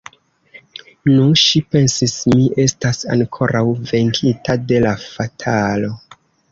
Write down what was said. Nu, ŝi pensis, mi estas ankoraŭ venkita de la fatalo.